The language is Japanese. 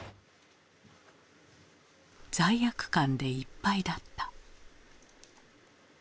罪悪感でいっぱいだった。